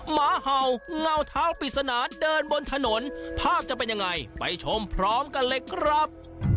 หมาเห่าเงาเท้าปริศนาเดินบนถนนภาพจะเป็นยังไงไปชมพร้อมกันเลยครับ